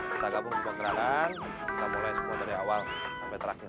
kita gabung sebuah gerakan kita mulai semua dari awal sampai terakhir